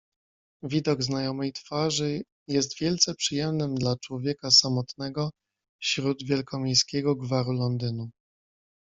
"Widok znajomej twarzy jest wielce przyjemnym dla człowieka samotnego śród wielkomiejskiego gwaru Londynu."